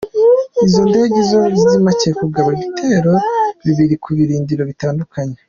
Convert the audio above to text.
Izo ndege ngo zimaze kugaba ibitero bibiri ku birindiro bitandukanye.